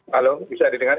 halo bisa didengar